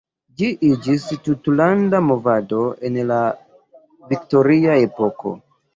Ĝi iĝis tutlanda movado en la Viktoria epoko.